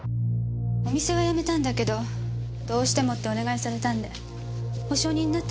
お店は辞めたんだけどどうしてもってお願いされたんで保証人になってあげたのよ。